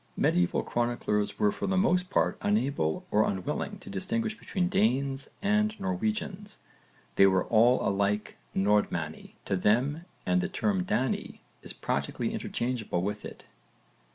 Medieval chroniclers were for the most part unable or unwilling to distinguish between Danes and Norwegians; they were all alike 'Nordmanni' to them and the term 'Dani' is practically interchangeable with it.